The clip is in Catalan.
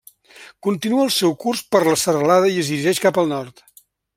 Continua el seu curs per la serralada i es dirigeix cap al nord.